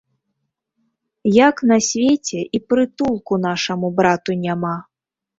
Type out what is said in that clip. Як на свеце і прытулку нашаму брату няма!